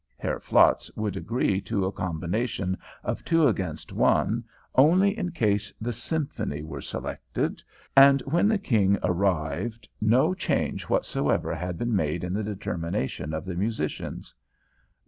Herr Flatz would agree to a combination of two against one only in case the Symphony were selected, and when the King arrived no change whatsoever had been made in the determination of the musicians.